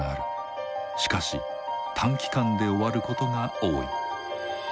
しかし短期間で終わることが多い。